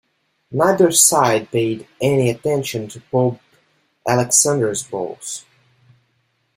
Neither side paid any attention to Pope Alexander's bulls.